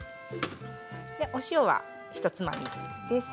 お塩はひとつまみです。